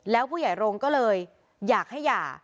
แล้วผู้ใหญ่โรงก็เลยอยากให้หย่า